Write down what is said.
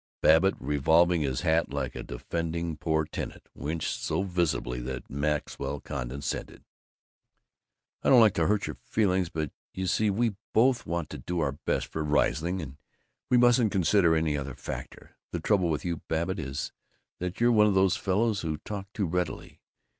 Babbitt, revolving his hat like a defaulting poor tenant, winced so visibly that Maxwell condescended: "I don't like to hurt your feelings, but you see we both want to do our best for Riesling, and we mustn't consider any other factor. The trouble with you, Babbitt, is that you're one of these fellows who talk too readily.